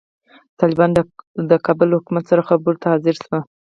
طالبان د کابل له حکومت سره خبرو ته حاضر شوي.